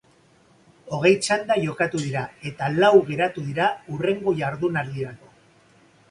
Hogei txanda jokatu dira eta lau geratu dira hurrengo jardunaldirako.